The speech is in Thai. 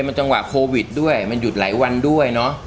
มันจังหวะโควิดด้วยมันหยุดหลายวันด้วยเนอะ